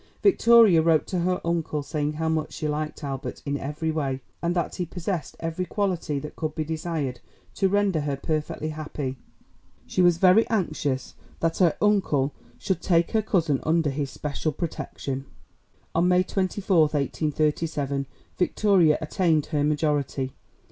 Victoria wrote to her uncle saying how much she liked Albert in every way, and that he possessed every quality that could be desired to render her perfectly happy. She was very anxious that her uncle should take her cousin under his special protection. On May 24, 1837, Victoria attained her majority.